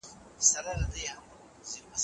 ایا تاسو د پلاستیک د کمولو پلان لرئ؟